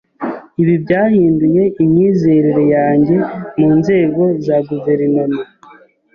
Ibi byahinduye imyizerere yanjye mu nzego za guverinoma.